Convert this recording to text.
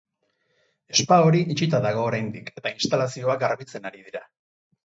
Spa hori itxita dago oraindik, eta instalazioak garbitzen ari dira.